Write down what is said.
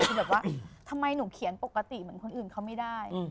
คือแบบว่าทำไมหนูเขียนปกติเหมือนคนอื่นเขาไม่ได้